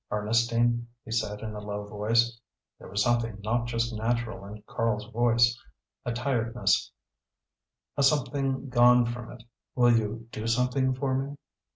"Ernestine," he said, in a low voice there was something not just natural in Karl's voice, a tiredness, a something gone from it "will you do something for me?"